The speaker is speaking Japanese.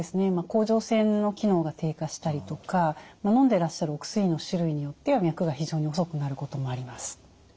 甲状腺の機能が低下したりとかのんでらっしゃるお薬の種類によっては脈が非常に遅くなることもあります。